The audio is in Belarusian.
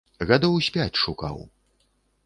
Гадоў з пяць шукаў.